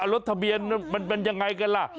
รถทะเบียนมันเป็นยังไงกันล่ะ